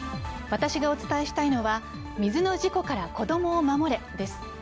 私がお伝えしたいのは水の事故から子供を守れです。